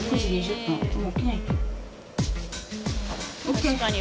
確かに。